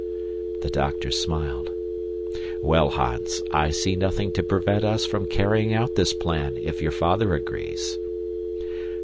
The doctor smiled. "Well, Hans, I see nothing to prevent us from carrying out this plan, if your father agrees."